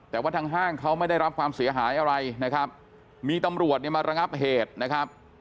แต่ว่าทางห้างเขาไม่ได้รับความเสียหายอะไรนะครับมีตำรวจเนี่ยมาระงับเหตุนะครับ